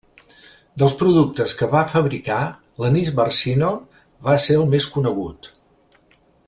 Dels productes que va fabricar, l’Anís Barcino va ser el més conegut.